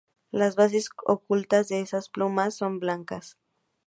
Las bases ocultas de estas plumas son blancas.